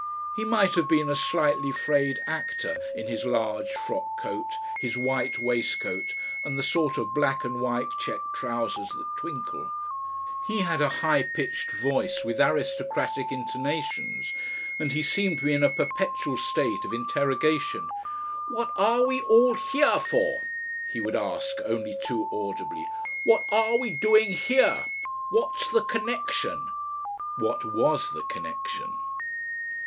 He might have been a slightly frayed actor, in his large frock coat, his white waistcoat, and the sort of black and white check trousers that twinkle. He had a high pitched voice with aristocratic intonations, and he seemed to be in a perpetual state of interrogation. "What are we all he a for?" he would ask only too audibly. "What are we doing he a? What's the connection?" What WAS the connection?